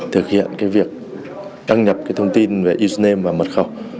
thực hiện cái việc đăng nhập cái thông tin về username và mật khẩu